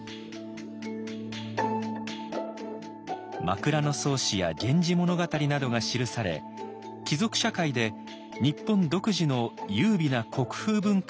「枕草子」や「源氏物語」などが記され貴族社会で日本独自の優美な国風文化が花開いた頃。